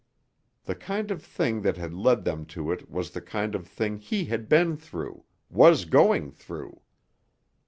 The kind of thing that had led them to it was the kind of thing he had been through, was going through.